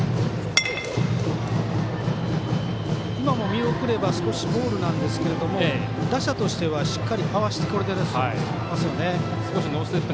見送れば少しボールなんですけど打者としてはしっかり合わせてこれていますよね。